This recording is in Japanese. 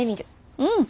うん。